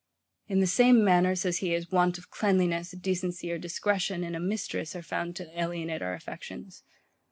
In the same manner, says he, as want of cleanliness, decency, or discretion in a mistress are found to alienate our affections.